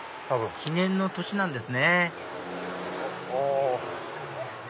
記念の年なんですねほっほう！